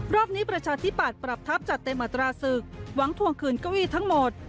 รอบนี้ประชาธิปัตย์ปรับทัพจัดเต็มอัตราศึกหวังทวงคืนเก้าอี้ทั้งหมด